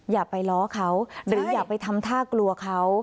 อย่าไปล้อเขาหรืออย่าไปทำท่ากลัวเขา